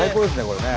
これね。